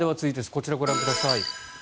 こちらご覧ください。